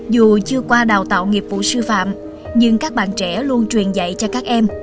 dù chưa qua đào tạo nghiệp vụ sư phạm nhưng các bạn trẻ luôn truyền dạy cho các em